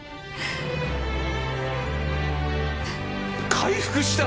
回復した！？